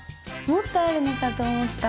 もっとあるのかと思った。